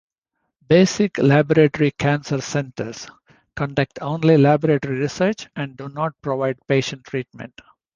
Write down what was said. "Basic Laboratory Cancer Centers" conduct only laboratory research and do not provide patient treatment.